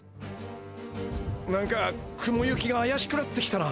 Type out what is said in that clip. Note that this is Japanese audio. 何か雲行きがあやしくなってきたな。